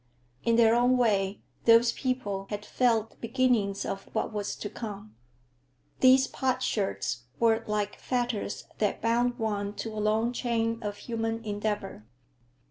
In their own way, those people had felt the beginnings of what was to come. These potsherds were like fetters that bound one to a long chain of human endeavor.